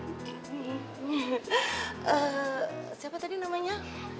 eh siapa tadi namanya